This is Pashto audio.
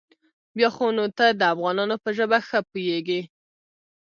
بيا خو نو ته د افغانانو په ژبه ښه پوېېږې.